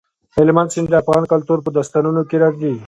هلمند سیند د افغان کلتور په داستانونو کې راځي.